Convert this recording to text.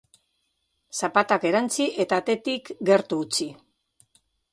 Zapatak erantzi eta atetik gertu utzi.